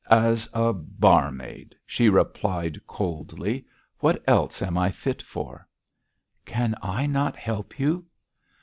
'As a barmaid,' she replied coldly. 'What else am I fit for?' 'Can I not help you?'